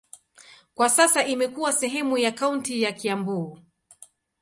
Kwa sasa imekuwa sehemu ya kaunti ya Kiambu.